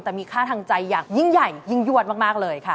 แต่มีค่าทางใจอย่างยิ่งใหญ่ยิ่งยวดมากเลยค่ะ